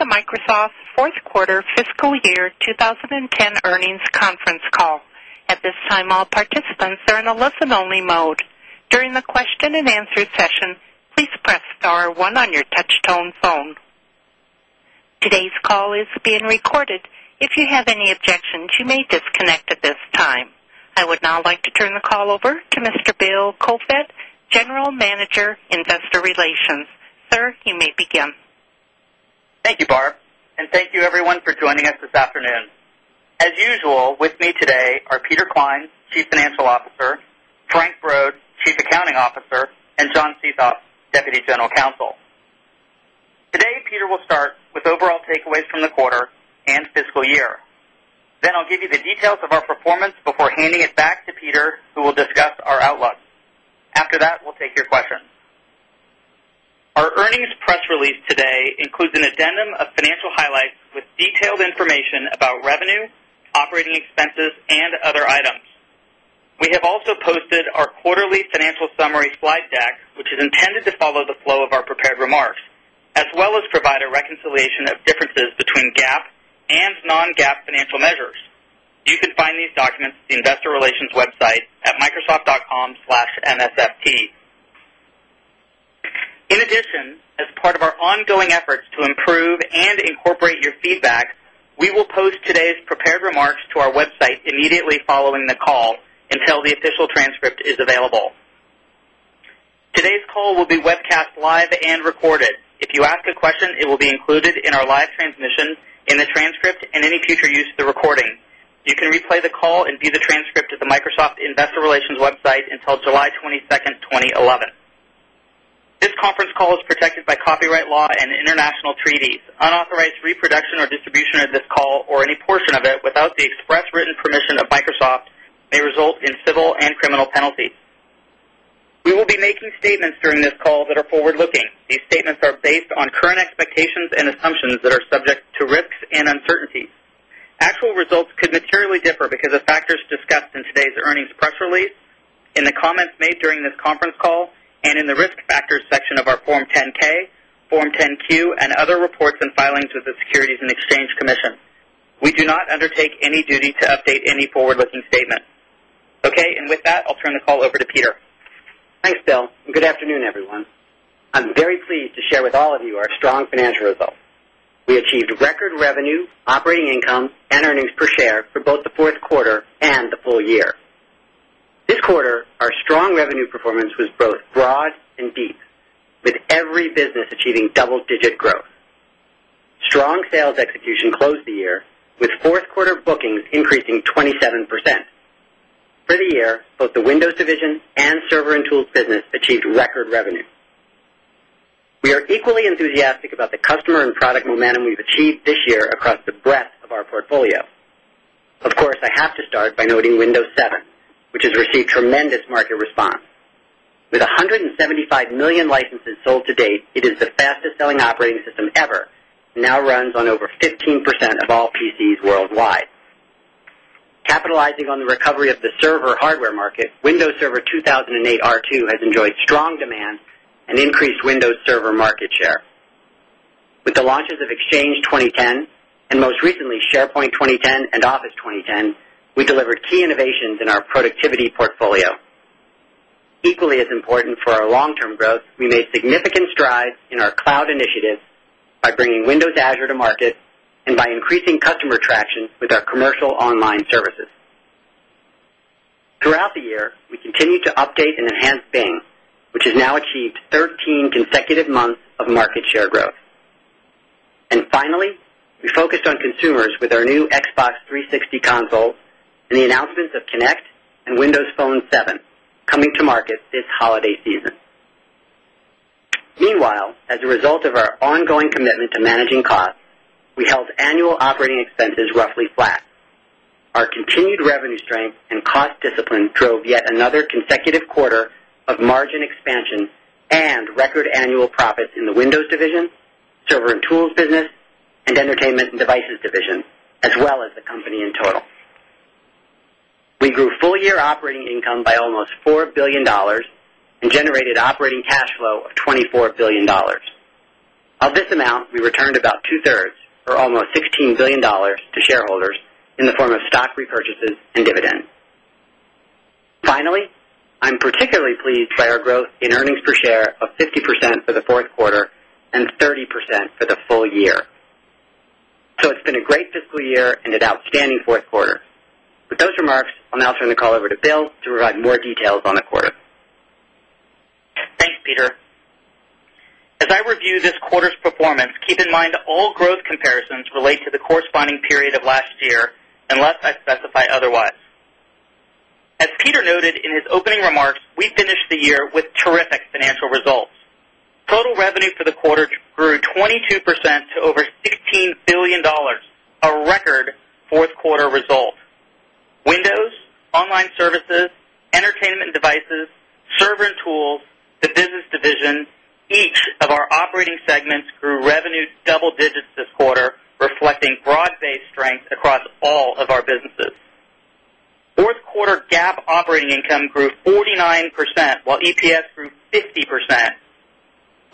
Welcome to the Microsoft Fourth Quarter Fiscal Year 20 10 Earnings Conference Call. At this time, all participants are in a listen only mode. Today's call is being recorded. If you have any objections, you may disconnect at this time. I would now like to turn the call over to Mr. Bill Kofed, General Manager, Investor Relations. Sir, you may begin. Thank you, Barb, and thank you, everyone, for joining us this afternoon. As usual, with me today are Peter Klein, Chief Financial Officer Frank Brode, Chief Accounting Officer and John Ciesopf, Deputy General Counsel. Today, Peter will start with overall takeaways from the quarter fiscal year. Then I'll give you the details of our performance before handing it back to Peter, We will discuss our outlook. After that, we'll take your questions. Our earnings press release today includes an addendum of financial highlights with detailed information about revenue, operating expenses and other items. We have also posted our quarterly financial summary slide deck, is intended to follow the flow of our prepared remarks as well as provide a reconciliation of differences between GAAP and non GAAP financial measures. You can find these documents at the Investor Relations website at microsoft.com/msft. In addition, as part of our ongoing efforts to improve and incorporate your feedback, we will post today's prepared remarks to our website immediately following the call Today's call will be webcast live and recorded. If you ask a question, it will be included in our live transmission, In the transcript and any future use of the recording, you can replay the call and view the transcript at the Microsoft Investor Relations website until July 22, 2011. This conference call is protected by copyright law and international treaties. Unauthorized reproduction or distribution of this call or any portion of it without the expressed written permission of Microsoft We will be making statements during this call that are forward looking. These statements are based on current expectations and assumptions that are subject to risks and uncertainties. Actual results could materially differ because of factors discussed in today's earnings press release, in the comments made during this conference call and in the Risk Factors section of our Form 10 ks, Form 10 Q and other reports and filings with the Securities and Exchange Commission. We do not undertake any duty to update any forward looking statement. Okay. And with that, I'll turn the call over to Peter. Thanks, Bill, and good afternoon, everyone. I'm very pleased to share with all of you our strong financial results. We achieved record revenue, operating income and earnings per share for both the 4th quarter and the full year. This quarter, our strong revenue performance was both broad and deep with every business achieving double digit growth. Strong sales execution closed the year with 4th quarter bookings increasing 27%. For the year, both the Windows division and Server and Tools business We are equally enthusiastic about the customer and product momentum we've achieved this year across the breadth of our portfolio. Of course, I have to start by noting Windows 7, which has received tremendous market response. With 175,000,000 licenses Sold to date, it is the fastest selling operating system ever, now runs on over 15% of all PCs worldwide. Capitalizing on the recovery of the server hardware market, Windows Server 2,008 R2 has enjoyed strong demand and increased Windows Server market share. With the launches of Exchange 2010 and most recently SharePoint 2010 and Office 2010, we delivered key innovations in our productivity portfolio. Equally as important for our long term growth, we made significant strides in our cloud initiatives by bringing Windows Azure to market And by increasing customer traction with our commercial online services. Throughout the year, we continued to update and enhance Bing, Which has now achieved 13 consecutive months of market share growth. And finally, we focused on consumers with our new Xbox 360 console The announcement of Connect and Windows Phone 7 coming to market this holiday season. Meanwhile, As a result of our ongoing commitment to managing costs, we held annual operating expenses roughly flat. Our continued revenue strength And cost discipline drove yet another consecutive quarter of margin expansion and record annual profits in the Windows division, Server and Tools Business and Entertainment and Devices division as well as the company in total. We grew full year operating income by almost $4,000,000,000 and generated operating cash flow of $24,000,000,000 Of this amount, we returned about 2 thirds or almost $16,000,000,000 to shareholders in the form of stock repurchases and dividends. Finally, I'm particularly pleased by our growth in earnings per share of 50% for the 4th quarter and 30% for the full year. So it's been a great fiscal year and an outstanding Q4. With those remarks, I'll now turn the call over to Bill to provide more details on the quarter. Thanks, Peter. As I review this quarter's performance, keep in mind that all growth comparisons relate to the corresponding period of last year, unless I specify otherwise. As Peter noted in his opening remarks, we finished the year with terrific financial results. Total revenue for the quarter grew 22 percent to over $16,000,000,000 a record 4th quarter result. Windows, online services, entertainment devices, server and tools, the business division, each of our operating segments Grew revenue double digits this quarter, reflecting broad based strength across all of our businesses. 4th quarter GAAP operating income grew 49 percent while EPS grew 50%.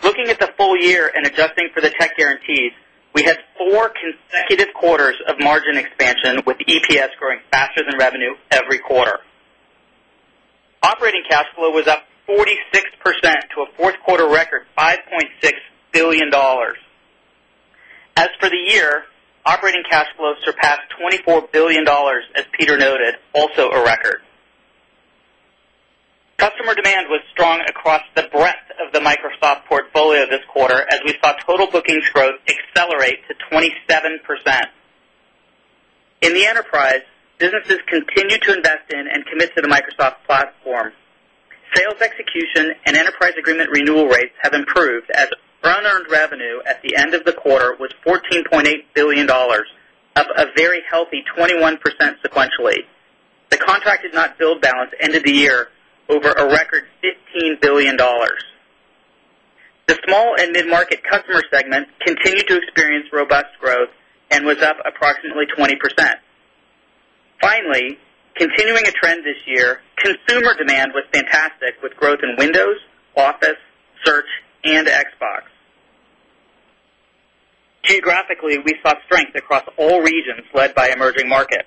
Looking at the full year and adjusting for the tech guarantees, we had 4 Executive quarters of margin expansion with EPS growing faster than revenue every quarter. Operating cash flow was up 46 percent to a 4th quarter record $5,600,000,000 As for the year, Operating cash flow surpassed $24,000,000,000 as Peter noted, also a record. Customer demand was strong across the breadth of the Microsoft portfolio this quarter as we saw total bookings growth accelerate to 27%. In the enterprise, businesses continue to invest in and commit to the Microsoft platform. Sales execution and enterprise agreement renewal rates have improved as Our unearned revenue at the end of the quarter was $14,800,000,000 up a very healthy 21% sequentially. The contract is not billed balance ended the year over a record $15,000,000,000 The small Mid market customer segment continued to experience robust growth and was up approximately 20%. Finally, Continuing a trend this year, consumer demand was fantastic with growth in Windows, Office, Search and Xbox. Geographically, we saw strength across all regions led by emerging markets.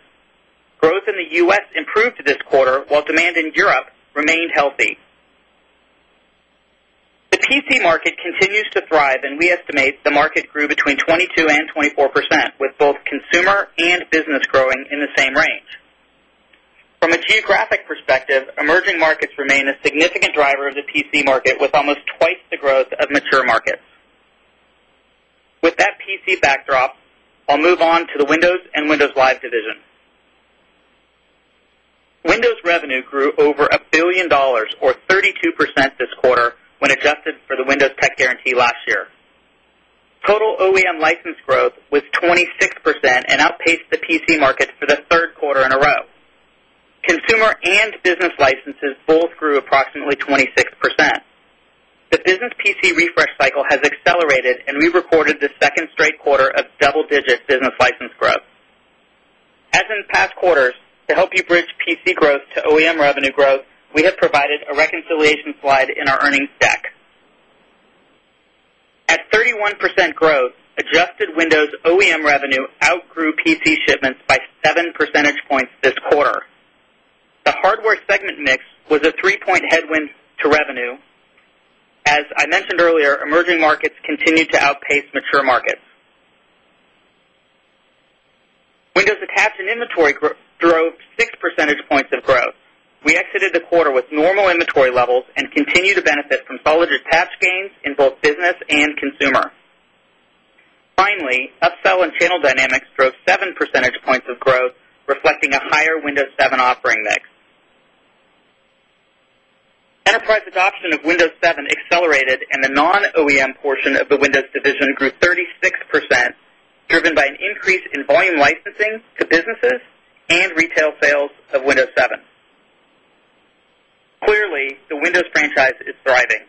Growth in the U. S. Improved this quarter, while demand in Europe remained healthy. The PC market continues to thrive and we estimate the market grew between 22% 24% with both consumer and business growing From a geographic perspective, emerging markets remain a significant driver of the PC market with almost twice the growth of mature markets. With that PC backdrop, I'll move on to the Windows and Windows Live division. Windows revenue grew over $1,000,000,000 or 32% this quarter when adjusted for the Windows Tech Guarantee last year. Total OEM license growth was 26% and outpaced the PC market for the Q3 in a row. Consumer and business licenses both grew approximately 26%. The business PC refresh cycle has accelerated and we recorded the 2nd straight Quarter of double digit business license growth. As in past quarters, to help you bridge PC growth to OEM revenue growth, We have provided a reconciliation slide in our earnings deck. At 31% growth, adjusted Windows OEM revenue outgrew PC shipments by 7 percentage points this quarter. The hardware segment mix was a 3 point headwind to revenue. As I mentioned earlier, emerging markets continue to outpace mature markets. Windows attached and inventory Drove 6 percentage points of growth. We exited the quarter with normal inventory levels and continue to benefit from solid detached gains in both business and consumer. Finally, upsell and channel dynamics drove 7 percentage points of growth, reflecting a higher Windows 7 offering mix. Enterprise adoption of Windows 7 accelerated and the non OEM portion of the Windows division grew 36%, driven by an increase in volume licensing To businesses and retail sales of Windows 7. Clearly, the Windows franchise is thriving.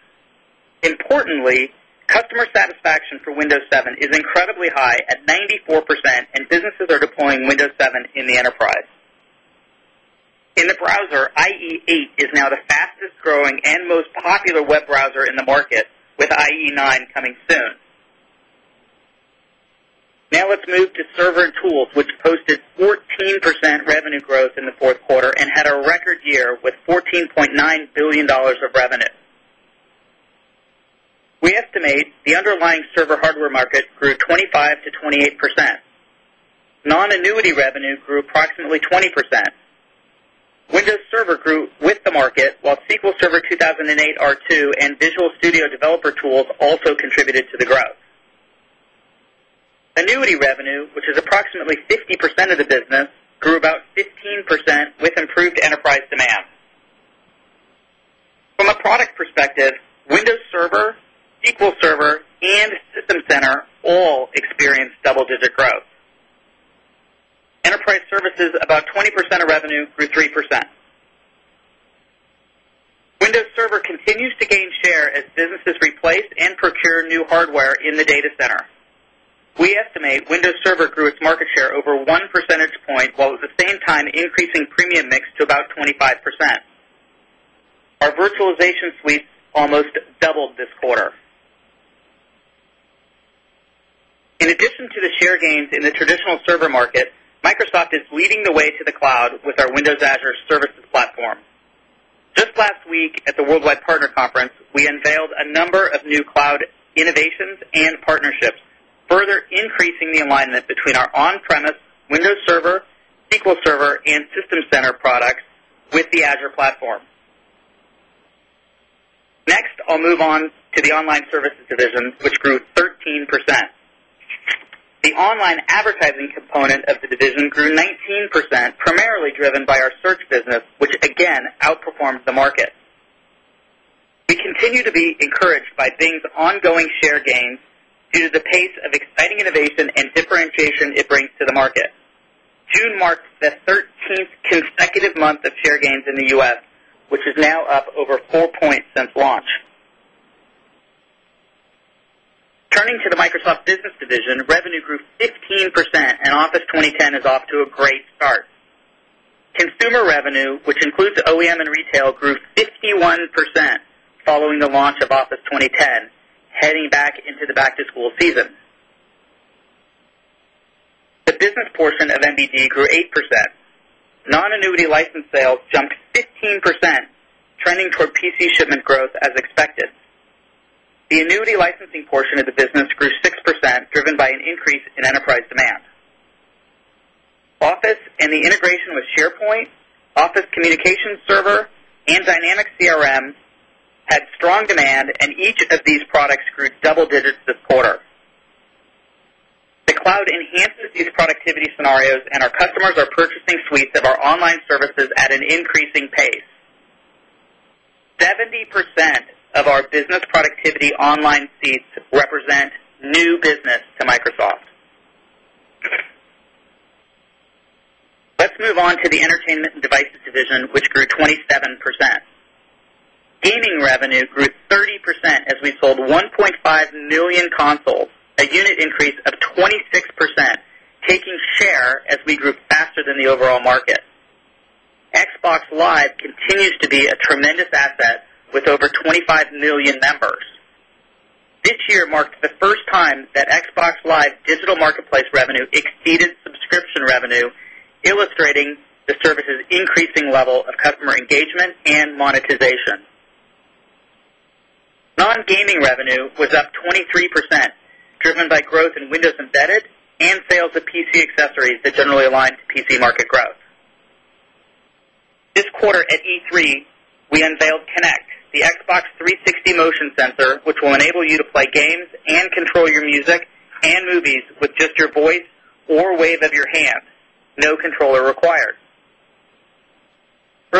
Importantly, customer satisfaction for Windows 7 is incredibly high at 94% and businesses are deploying Windows 7 in the enterprise. In the browser, IE8 is now the fastest growing and most popular web browser in the market with IE9 coming soon. Now let's move to server and tools, which posted 14% revenue growth in the 4th quarter and had a record year with $14,900,000,000 of revenue. We estimate the underlying server hardware market grew 25% to 28%. Non annuity revenue grew approximately 20%. Windows Server grew with the market, while SQL Server 2,008 R2 and Visual Studio Developer Tools Also contributed to the growth. Annuity revenue, which is approximately 50% of the business, grew about From a product perspective, Windows Server, SQL Server and System Center all experienced double digit growth. Enterprise services about 20% of revenue grew 3%. Windows Server continues to gain share as businesses replace and procure new hardware in the data center. We estimate Windows Server grew its market share over 1 percentage point, while at the same time increasing premium mix to about 25%. Our virtualization suites almost doubled this quarter. In addition to the share gains in the traditional server market, Microsoft is leading the way to the cloud with our Windows Azure Services platform. Just last week at the Worldwide Partner Conference, we unveiled a number of new cloud innovations and partnerships, further increasing the alignment between our on premise Windows Server, SQL Server and System Center products with the Azure platform. Next, I'll move on to the Online Services division, which grew 13%. The online advertising component of the division grew 15% primarily driven by our search business, which again outperformed the market. We continue to be encouraged by Bing's ongoing share gains Due to the pace of exciting innovation and differentiation it brings to the market, June marks the 13th consecutive month of share gains in the U. S, which is now up over 4 points since launch. Turning to the Microsoft Business division, revenue grew 15% and Office 2010 is off to a great start. Consumer revenue, which includes OEM and retail, grew 51% Following the launch of Office 2010 heading back into the back to school season. The business portion of MBD grew 8%. Non annuity license sales jumped 15%, trending toward PC shipment growth as expected. The annuity licensing portion of the business grew 6%, driven by an increase in enterprise demand. Office and the integration with SharePoint, Office Communications Server and Dynamics CRM had strong demand and each of these products grew double digits this quarter. The cloud enhances these productivity scenarios and our customers are purchasing suites of our online services at an increasing pace. 70% of our business productivity online seats represent new business to Microsoft. Let's move on to the Entertainment and Devices division, which grew 27%. Gaming revenue grew 30 As we sold 1,500,000 consoles, a unit increase of 26%, taking share as we grew faster than the overall market. Xbox Live continues to be a tremendous asset with over 25,000,000 members. This year marked the first time that Xbox Live Digital Marketplace revenue exceeded subscription revenue, illustrating The service is increasing level of customer engagement and monetization. Non gaming revenue was up 23%, driven by growth in Windows Embedded and sales of PC accessories that generally align to PC market growth. This quarter at E3, we unveiled Kinect, the Xbox 360 motion sensor, which will enable you to play games and control your music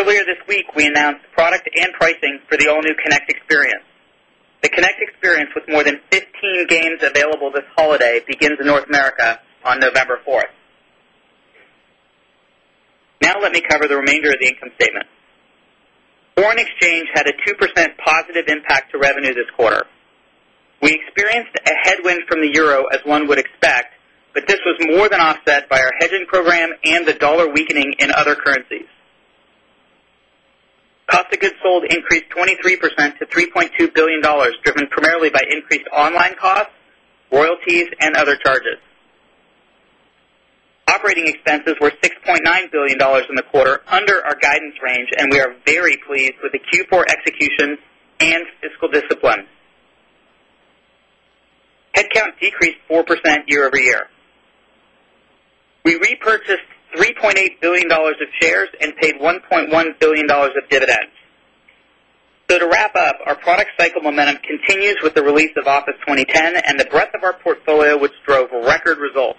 Earlier this week, we announced product and pricing for the all new Kinect experience. The Kinect experience with more than 15 games available this holiday begins in North America on November 4. Now let me cover the remainder of the income statement. Foreign exchange had a 2% positive impact to revenue this quarter. We experienced a headwind from the euro as one would expect, but this was more than Set by our hedging program and the dollar weakening in other currencies. Cost of goods sold increased 23% $3,200,000,000 driven primarily by increased online costs, royalties and other charges. Operating expenses were $6,900,000,000 in the quarter under our guidance range and we are very pleased with the Q4 execution And fiscal discipline. Headcount decreased 4% year over year. We repurchased $3,800,000,000 of shares and paid $1,100,000,000 of dividends. So to wrap up, our product cycle momentum continues with the release of Office 2010 and the breadth of our portfolio, which drove record results.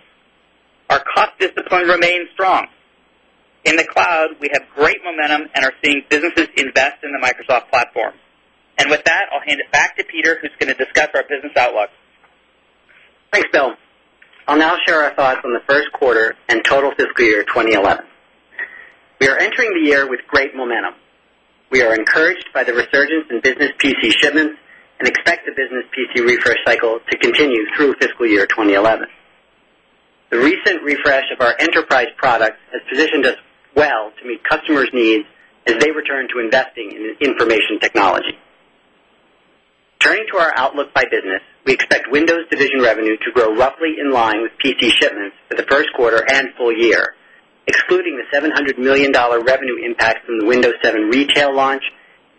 Our cost discipline remains strong. In the cloud, we have great momentum and are seeing businesses invest in the Microsoft platform. And with that, I'll hand it back to Peter, who's going to discuss our business outlook. Thanks, Bill. I'll now share our thoughts on the Q1 and total fiscal year 2011. We are entering the year with great momentum. We are encouraged by the resurgence in business PC shipments and expect the business PT refresh cycle to continue through fiscal year 2011. The recent refresh of our enterprise product has positioned us Windows division revenue to grow roughly in line with PC shipments for the Q1 full year, excluding the $700,000,000 revenue impact from the Windows 7 retail launch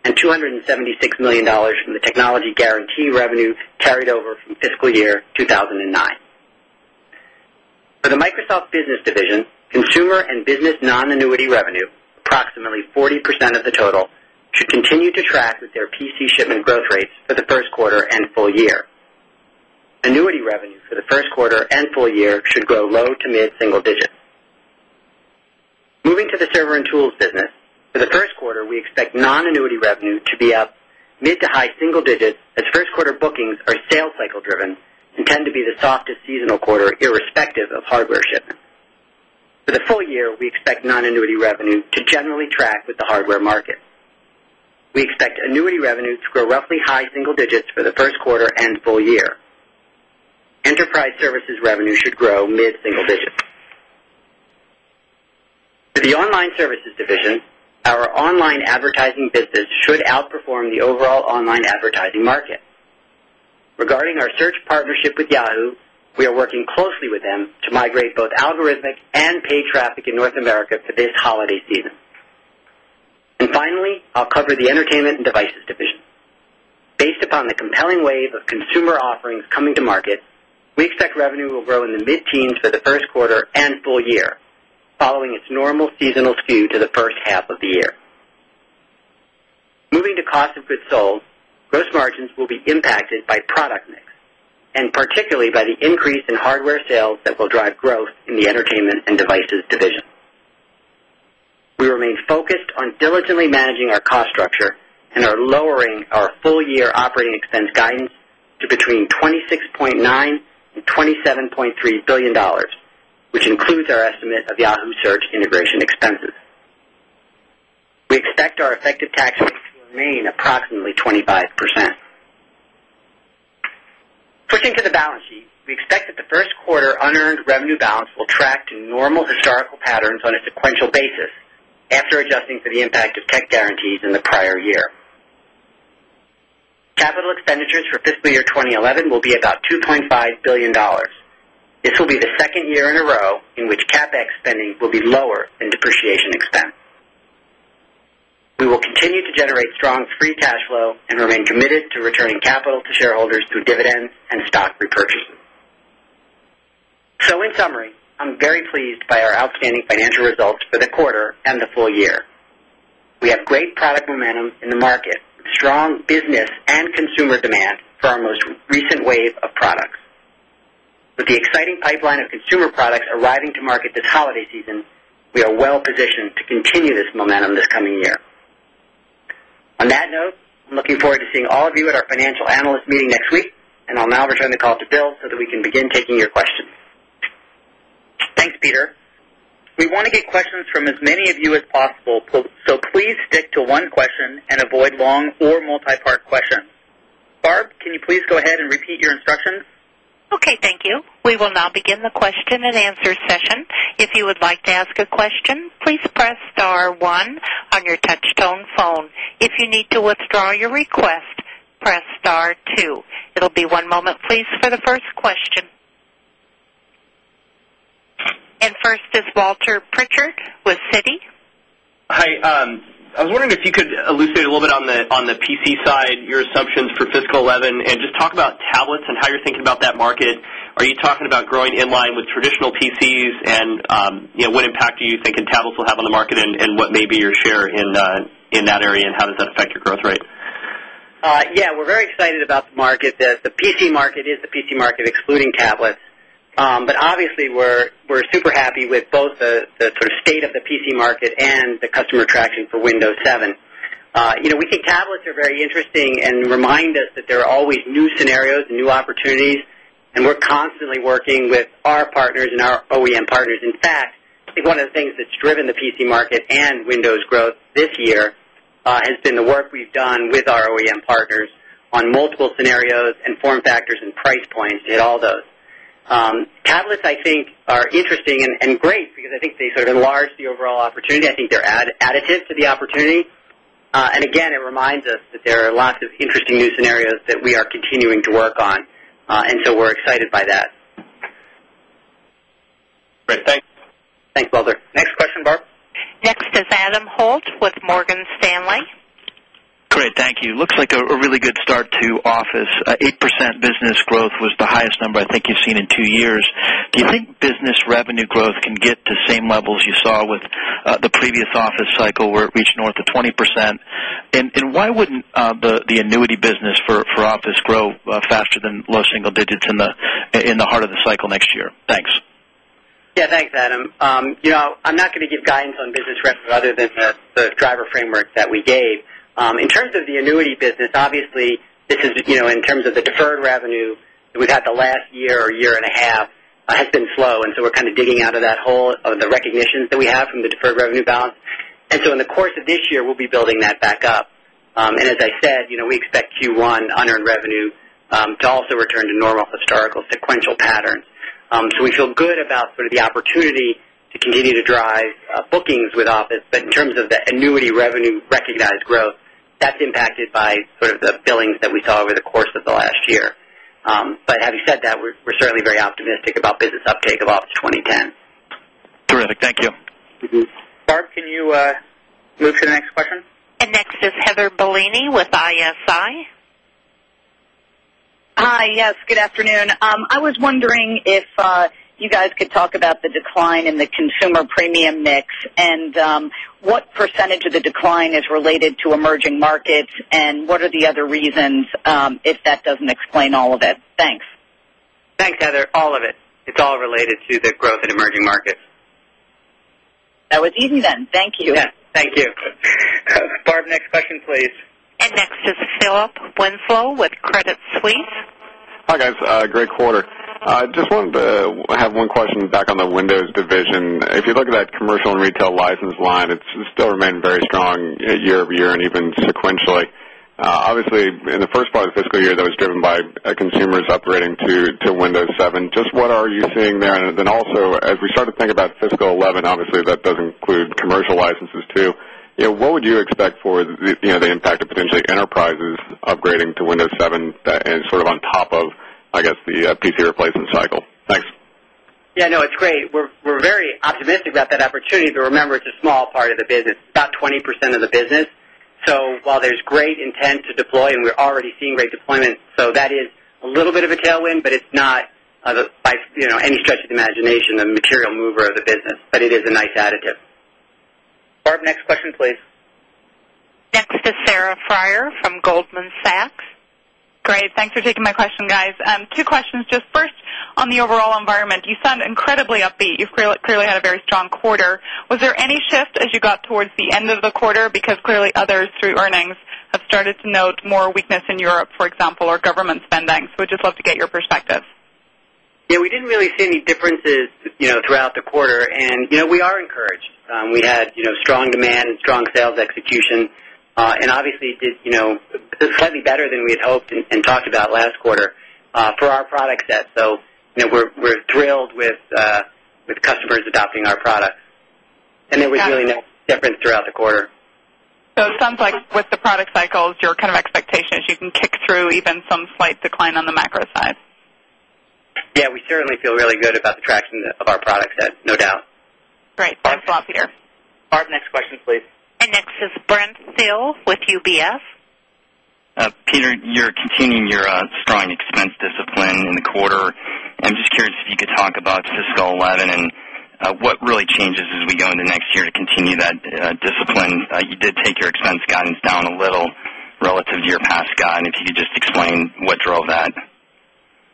And $276,000,000 from the technology guarantee revenue carried over from fiscal year 2,009. For the Microsoft Business division, consumer and business non annuity revenue, approximately 40% of the total, should continue to track with PC shipment growth rates for the Q1 full year. Annuity revenue for the Q1 full year should grow low to mid single digit. Moving to the server and tools business. For the Q1, we expect non annuity revenue to be up mid to high single digits as first quarter bookings are sales cycle driven, intend to be the softest seasonal quarter irrespective of hardware shipments. For the full year, we expect non annuity revenue to generally track with the hardware market. We expect annuity revenue to grow roughly high single digits for the Q1 and full year. Enterprise services revenue should grow mid single digits. For the Online Services division, our online advertising business should outperform the overall online advertising market. Regarding our search partnership with Yahoo! We are working closely with them to migrate both algorithmic and paid traffic in North America for this holiday season. And finally, I'll cover the Entertainment and Devices division. Based upon the compelling wave of consumer offerings coming to market, We expect revenue will grow in the mid teens for the Q1 full year, following its normal seasonal skew to the first half of the year. Moving to cost of goods sold. Gross margins will be impacted by product mix and particularly by the increase in hardware sales that will drive growth We remain focused on diligently managing our cost structure and are lowering our full year operating guidance to between $26,900,000,000 $27,300,000,000 which includes our estimate of Yahoo! Search integration expenses. We expect our effective tax rate to remain approximately 25%. Pushing to the balance sheet. We expect that the Q1 unearned revenue balance will track to normal historical patterns on a sequential basis after adjusting for the impact of tech guarantees in the prior year. Capital expenditures for fiscal year 2011 will be about $2,500,000,000 This will be the 2nd year in a row in which CapEx spending will be lower than depreciation expense. We will continue to generate strong free cash flow remain committed to returning capital to shareholders through dividends and stock repurchases. So in summary, I'm very pleased by our outstanding financial results for the quarter and the full year. We have great product momentum in the market, Strong business and consumer demand for our most recent wave of products. With the exciting pipeline of consumer products arriving to market this holiday season, We are well positioned to continue this momentum this coming year. On that note, I'm looking forward to seeing all of you at our Financial Analyst Meeting next week. And I'll now return the call to Bill so that we can begin taking your questions. Thanks, Peter. We want to get questions from as many of you as possible, So please stick to one question and avoid long or multipart questions. Barb, can you please go ahead and repeat your instructions? Okay, thank you. We will now begin the question and answer And first is Walter Pritchard with Citi. Hi. I was wondering if you could elucidate a little On the PC side, your assumptions for fiscal 2011 and just talk about tablets and how you're thinking about that market. Are you talking about growing in line with traditional PCs? And What impact do you think in tablets will have on the market? And what may be your share in that area? And how does that affect your growth rate? Yes. We're very excited about the market. The PC market is the PC market excluding tablets. But obviously, we're super happy with both the sort of state of PC market and the customer traction for Windows 7. We think tablets are very interesting and remind us that there are always new scenarios and new opportunities And we're constantly working with our partners and our OEM partners. In fact, I think one of the things that's driven the PC market and Windows growth this year Has been the work we've done with our OEM partners on multiple scenarios and form factors and price points to hit all those. Tablets, I think, are interesting and great, because I think they sort of enlarge the overall opportunity. I think they're additive to the opportunity. And again, it reminds us that there are lots of interesting new scenarios that we are continuing to work on. And so we're excited by that. Great. Thanks. Thanks, Walter. Next question, Barb? Next is Adam Holt with Morgan Stanley. Great. Thank you. Looks like a really good start to office. 8% business growth was the highest number I think you've seen in 2 years. Do you think business revenue growth can get to same levels you saw with The previous office cycle reached north of 20%. And why wouldn't the annuity business for office grow faster than low single digits In the heart of the cycle next year. Thanks. Yes. Thanks, Adam. I'm not going to give guidance on business rent other than the driver framework that we gave. In terms of the annuity business, obviously, this is in terms of the deferred revenue that we've had the last year or year and a half It has been slow and so we're kind of digging out of that hole of the recognitions that we have from the deferred revenue balance. And so in the course of this year, we'll be building that back up. And as I Said, we expect Q1 unearned revenue to also return to normal historical sequential patterns. So we feel good about sort of the opportunity To continue to drive bookings with office, but in terms of the annuity revenue recognized growth that's impacted by sort of the billings that we saw over the course of the last year. But having said that, we're certainly very optimistic about business uptake of ops 2010. Terrific. Thank you. Barb, can you move to the next question? And next is Heather Bellini with ISI. Hi. Yes. Good afternoon. I was wondering if You guys could talk about the decline in the consumer premium mix and what percentage of the decline is related to emerging markets And what are the other reasons, if that doesn't explain all of it? Thanks. Thanks, Heather. All of it. It's all related to the growth in emerging markets. That was easy then. Thank you. Yes. Thank you. Barb, next question please. And next is Philip Winslow with Credit Suisse. Hi, guys. Great quarter. I just wanted to have one question back on the Windows division. If you look at that commercial and retail license line, it Still remain very strong year over year and even sequentially. Obviously, in the first part of the fiscal year, that was driven by consumers upgrading to Windows 7. Just what are you And then also as we start to think about fiscal 'eleven, obviously, that does include commercial licenses too. What would you expect for the impact of potentially enterprises Upgrading to Windows 7 and sort of on top of, I guess, the PC replacement cycle. Thanks. Yes. No, it's great. We're very optimistic about that opportunity. But remember, it's a small part of the business, about 20% of the business. So while there's great intent to deploy and we're already seeing great deployment, So that is a little bit of a tailwind, but it's not by any stretch of the imagination a material mover of the business, but it is a nice additive. Barb, next question please. Next is Sarah Friar from Goldman Sachs. Great. Thanks for taking my question guys. Two questions. Just first On the overall environment, you sound incredibly upbeat. You've clearly had a very strong quarter. Was there any shift as you got towards the end of the quarter because clearly others through earnings I've started to note more weakness in Europe, for example, our government spending. So I'd just love to get your perspective. Yes. We didn't really see any differences Throughout the quarter and we are encouraged. We had strong demand and strong sales execution and obviously did This is slightly better than we had hoped and talked about last quarter for our product set. So we're thrilled with customers adopting our product. There was really no difference throughout the quarter. So it sounds like with the product cycles, your kind of expectation is you can kick through even some slight decline on the macro side? Yes. We certainly feel really good about the traction of our products, Ed. No doubt. Great. That's a lot of you there. Bart, next question, please. And next is Brent Thill with UBS. Peter, you're continuing your strong expense discipline in the quarter. I'm just curious You could talk about fiscal 2011 and what really changes as we go into next year to continue that discipline. You did take your expense guidance down a little Relative to your passcode, and if you could just explain what drove that?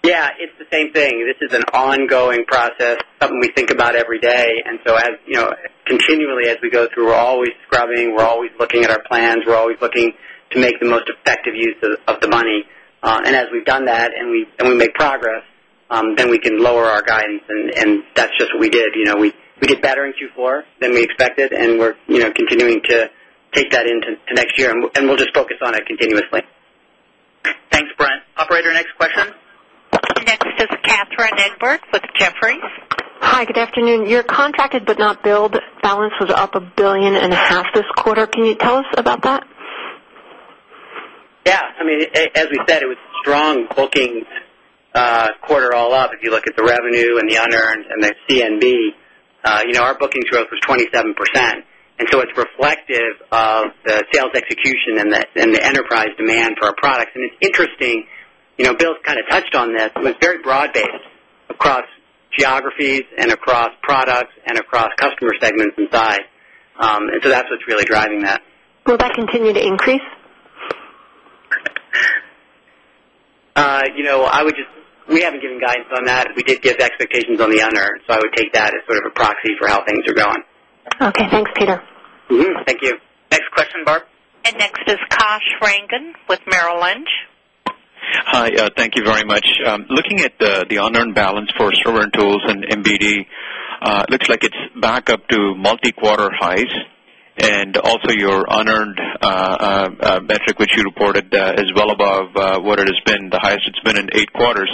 Yes. It's the same thing. This is an ongoing process, something we think about every day. And so Continually as we go through, we're always scrubbing. We're always looking at our plans. We're always looking to make the most effective use of the money. And as we've done that and we make progress, then we can lower our guidance and that's just what we did. We did better in Q4 Than we expected and we're continuing to take that into next year and we'll just focus on it continuously. Thanks, Brent. Operator, next question? Next is Kathryn Edward with Jefferies. Hi, good afternoon. Your contracted but not billed balance was up $1,500,000,000 this quarter. Can you tell us about that? Yes. I mean, as we said, it was strong bookings quarter all up. If you look at the revenue and the unearned and the C and Our bookings growth was 27%. And so it's reflective of the sales execution and the enterprise demand for our products. And it's interesting, Bill's kind of touched on this. It was very broad based across geographies and across products and across customer segments and size. And so that's what's really driving that. Will that continue to increase? I would just we haven't given guidance on that. We did give expectations on the unearned. So I would take that as sort of a proxy for how things are going. Okay. Thanks, Peter. Thank you. Next question, Barb. And next is Kash Rangan with Merrill Lynch. Hi. Thank you very much. Looking at the unearned balance for server and tools and MBD, it looks like it's back up to multi quarter highs And also your unearned metric, which you reported is well above what it has been the highest it's been in 8 quarters.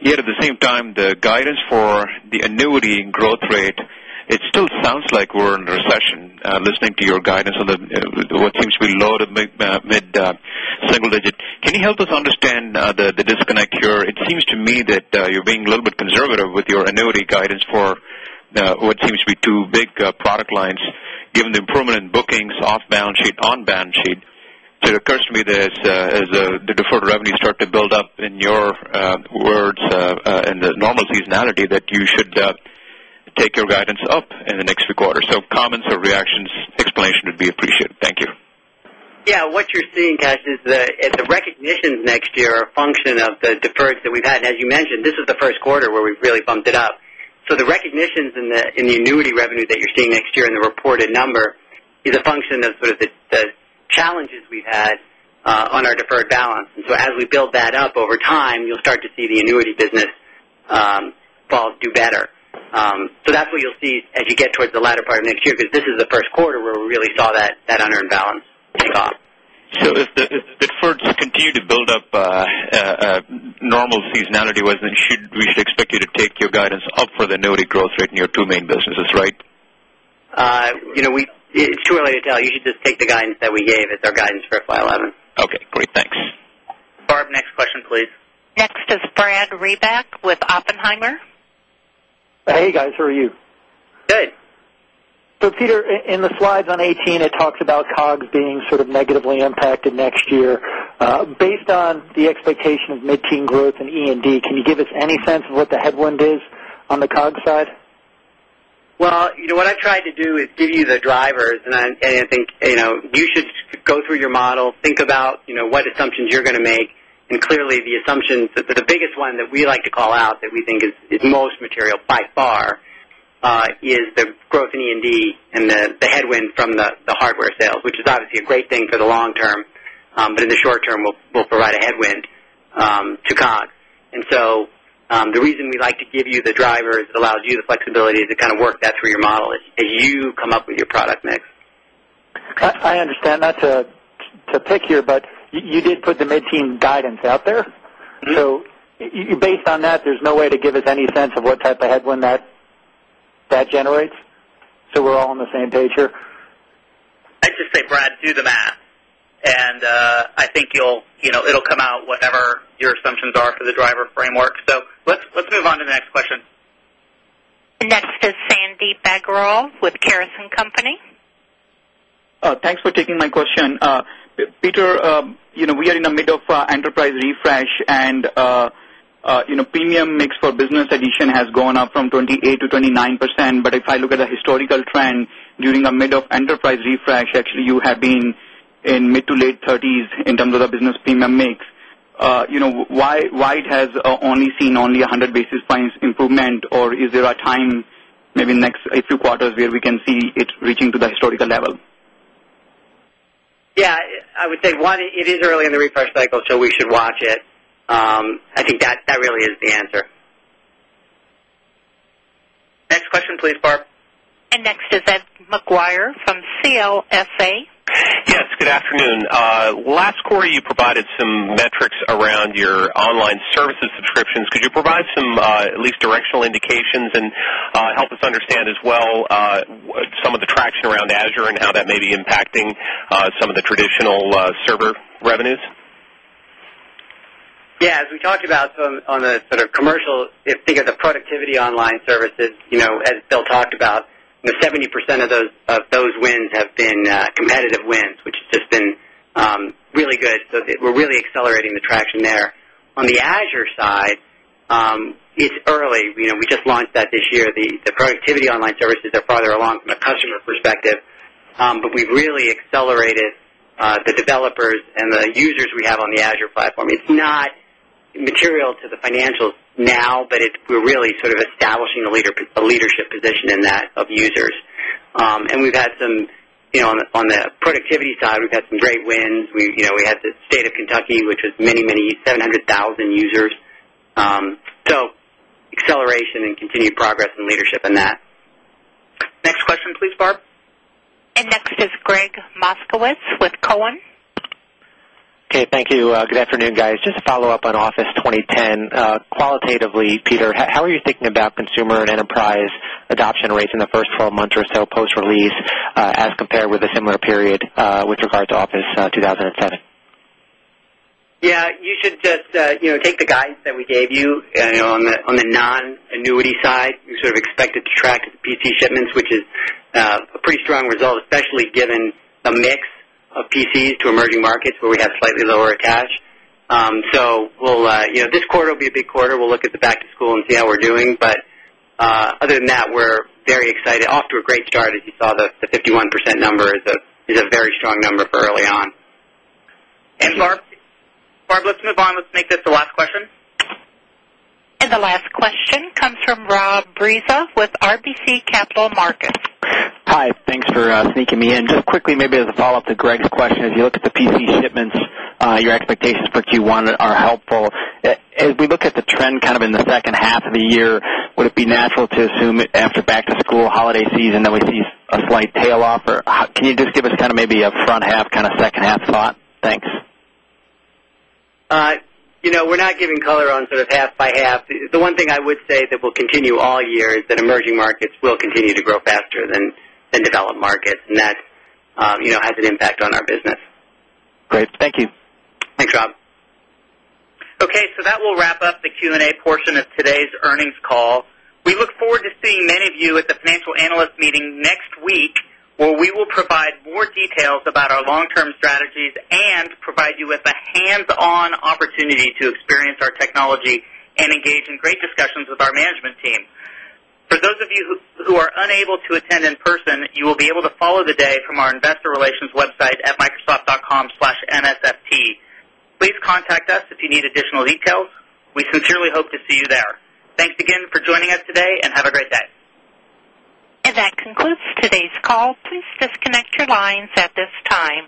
Yet at the same time, the guidance for the annuity growth rate, it still sounds like we're in recession listening to your guidance on What seems to be low to mid single digit. Can you help us understand the disconnect here? It seems to me that You're being a little bit conservative with your annuity guidance for what seems to be 2 big product lines. Given the improvement in bookings off balance sheet, on balance sheet, It occurs to me that as the deferred revenue start to build up in your words and the normal seasonality that you should Take your guidance up in the next few quarters. So comments or reactions explanation would be appreciated. Thank you. Yeah. What you're seeing Kash is the Next year are a function of the deferreds that we've had. And as you mentioned, this is the Q1 where we've really bumped it up. So the recognitions in the annuity revenue that you're seeing The reported number is a function of sort of the challenges we've had on our deferred balance. And so as we build that up over time, you'll start to see the annuity business Paul, do better. So that's what you'll see as you get towards the latter part of next year, because this is the Q1 where we really saw that unearned balance So if the deferred continue to build up normal seasonality, why don't we should expect you to take your guidance For the annuity growth rate in your 2 main businesses, right? It's too early to tell. You should just take the guidance that we gave. It's our guidance for FY 2011. Okay, great. Thanks. Barb, next question please. Next is Brad Reback with Oppenheimer. Hey, guys. How are you? Good. So Peter, in the slides on 2018, it talks about COGS being sort of negatively impacted next year. Based on the expectation Mid teen growth in E and D, can you give us any sense of what the headwind is on the COGS side? Well, what I tried to do is give you the drivers And I think you should go through your model, think about what assumptions you're going to make. And clearly, the assumptions the biggest one that we like to call out that we think Most material by far is the growth in E and D and the headwind from the hardware sales, which is obviously a great thing for the long term. But in the short term, we'll provide a headwind to COGS. And so the reason we like to give you the drivers, it allows you the flexibility to kind of work I understand that's a pick here, but you did put the mid teen guidance out there. So Based on that, there's no way to give us any sense of what type of headwind that generates? So we're all on the same page here? I'd just say Brad do the math. And I think you'll it will come out whatever your assumptions are for the driver framework. So let's move on to the next question. Next is Sandeep Bhagral with Karas and Company. Thanks for taking my question. Peter, we are in the mid of Enterprise refresh and premium mix for business addition has gone up from 28% to 29%. But if I look at the historical trend During the mid of enterprise refresh, actually you have been in mid to late 30s in terms of the business premium mix. Why it has Only seen only 100 basis points improvement or is there a time maybe next few quarters where we can see it reaching to the historical level? Yes. I would say, 1, it is early in the refresh cycle, so we should watch it. I think that really is the answer. Next question please, Barb. And next is Ed McGuire from CLSA. Yes, good afternoon. Last quarter, you provided some metrics around your online services subscriptions. Could you provide some at least directional indications and Help us understand as well some of the traction around Azure and how that may be impacting some of the traditional server revenues? Yes. As we talked about on the sort of commercial, if you think of the productivity online services, as Bill talked about, 70% of those wins have been competitive wins, which has just been really good. So we're really accelerating the traction there. On the Azure side, it's early. We just launched that this year. The productivity online services are farther along from a customer perspective. But we've really accelerated the developers and the users we have on the Azure platform. It's not material to Financials now, but it's we're really sort of establishing a leadership position in that of users. And we've had some On the productivity side, we've had some great wins. We had the state of Kentucky, which has many, many 700,000 users. So acceleration and continued progress and leadership in that. Next question please, Barb. And next is Greg Moskowitz with Cowen. Okay. Thank you. Good afternoon, guys. Just a follow-up on Office 2010. Qualitatively, Peter, how are you thinking about consumer and enterprise adoption rates in the 1st 12 months or so post release as Compared with a similar period with regard to office 2,007? Yes. You should just take the guidance that we gave you on the non Annuity side, we sort of expected to track PC shipments, which is a pretty strong result, especially given the mix PCs to emerging markets where we have slightly lower cash. So we'll this quarter will be a big quarter. We'll look at the back to school and see how we're doing. But Other than that, we're very excited. Off to a great start. As you saw, the 51% number is a very strong number for early on. And Barb, let's move on. Let's make this the last question. And the last question comes from Rob Breza with RBC Capital Markets. Hi. Thanks for sneaking me in. Just quickly maybe as a follow-up to Greg's question, as you look at the PC shipments, your expectations for Q1 are helpful. As we look at the trend kind of in the second half of the year, would it be natural to assume after back to school holiday season that we see a slight tail off? Or can you just give us kind of maybe We're not giving color on sort of half by half. The one thing I would say that We'll continue all year that emerging markets will continue to grow faster than developed markets and that has an impact on our business. Great. Thank you. Thanks, Rob. Okay. So that will wrap up the Q and A portion of today's earnings call. We look forward to seeing many of you at the Financial Analyst Meeting next week, Well, we will provide more details about our long term strategies and provide you with a hands on opportunity to experience our technology and engage in great discussions with our management team. For those of you who are unable to attend in person, you will be able to follow the day from our Investor Relations website microsoft.com/msft. Please contact us if you need additional details. We sincerely hope to see you there. Thanks again for joining us today and have a great day. And that concludes today's call. Please disconnect your lines at this time.